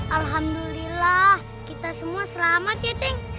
alhamdulillah kita semua selamat ya tank